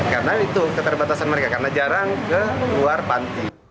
karena itu keterbatasan mereka karena jarang keluar panti